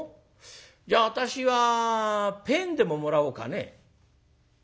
じゃ私はぺんでももらおうかね」。